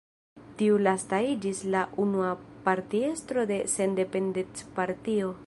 Tiu lasta iĝis la unua partiestro de Sendependecpartio.